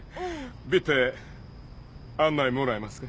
ビッテ案内もらえますか？